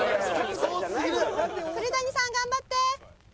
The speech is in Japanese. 栗谷さん頑張って！